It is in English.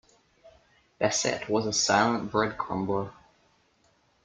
Bassett was a silent bread crumbler.